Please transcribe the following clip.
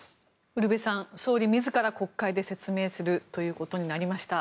ウルヴェさん総理自らが国会で説明することになりました。